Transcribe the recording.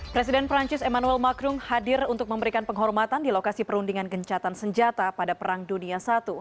presiden perancis emmanuel macrum hadir untuk memberikan penghormatan di lokasi perundingan gencatan senjata pada perang dunia i